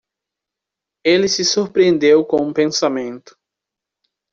Ele se surpreendeu com o pensamento.